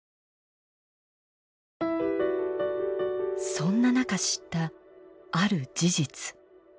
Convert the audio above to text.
そんな中知ったある事実。